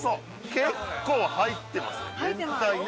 結構入ってますね